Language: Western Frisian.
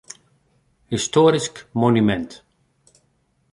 Histoarysk monumint.